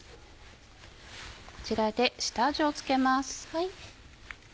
こちらで下味を付けます。